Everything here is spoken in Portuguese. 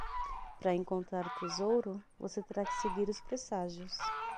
Para encontrar o tesouro? você terá que seguir os presságios.